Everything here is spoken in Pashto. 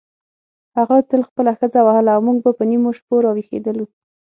هغه تل خپله ښځه وهله او موږ به په نیمو شپو راویښېدلو.